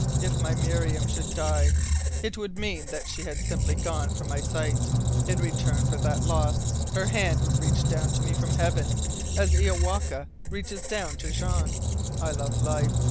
If my Miriam should die it would mean that she had simply gone from my SIGHT. In return for that loss her hand would reach down to me from Heaven, as Iowaka reaches down to Jean. I love life.